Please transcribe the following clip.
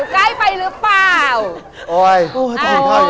ใกล้ไปรึเปล่า